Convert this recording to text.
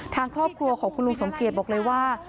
ทางครอบครัวของคุณลุงสมเกียจบอกเลยว่า